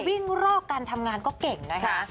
รอกการทำงานก็เก่งนะคะ